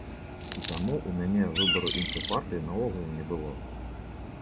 І таму ў мяне выбару іншай партыі наогул не было.